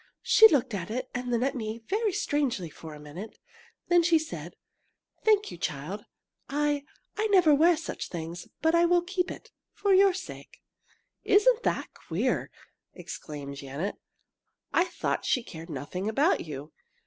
"She looked at it and then at me very strangely for a minute. Then she said: 'Thank you, child. I I never wear such things, but I'll keep it for your sake!'" "Isn't that queer!" exclaimed Janet. "You thought she cared nothing about you!"